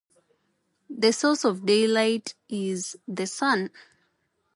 The source of all daylight is the sun.